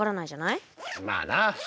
まあな。